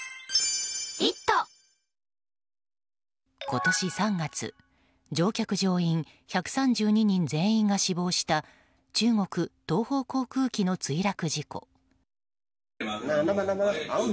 今年３月乗客・乗員１３２人が全員が死亡した中国・東方航空機の墜落事故。